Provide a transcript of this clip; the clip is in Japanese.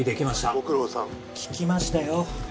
☎ご苦労さん聞きましたよ